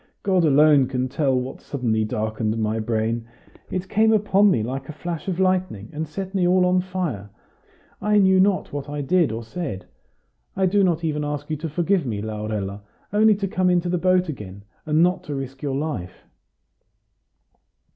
God alone can tell what so suddenly darkened my brain. It came upon me like a flash of lightning, and set me all on fire. I knew not what I did or said. I do not even ask you to forgive me, Laurella, only to come into the boat again, and not to risk your life!"